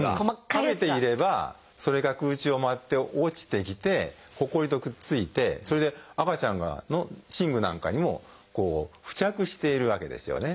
食べていればそれが空中を舞って落ちてきてほこりとくっついてそれで赤ちゃんの寝具なんかにも付着しているわけですよね。